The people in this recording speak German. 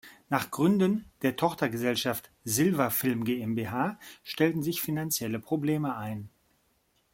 Nach Gründung der Tochtergesellschaft "Silva-Film GmbH" stellten sich finanzielle Probleme ein.